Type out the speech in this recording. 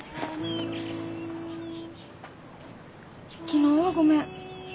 昨日はごめん。